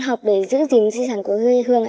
học để giữ gìn di sản của hơi hương